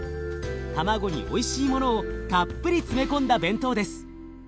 卵においしいものをたっぷり詰め込んだ弁当です。